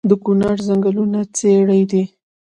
د کونړ ځنګلونه څیړۍ دي